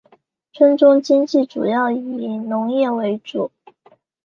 村中经济主要以农业为主。